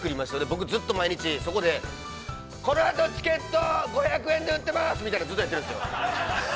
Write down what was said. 僕、ずっと毎日、そこで、チケット、５００円で売ってますみたいな、ずっと売ってるんですよ。